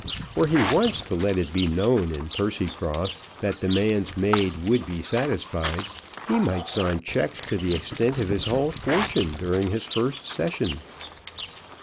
Were he once to let it be known in Percycross that demands made would be satisfied, he might sign cheques to the extent of his whole fortune, during his first session.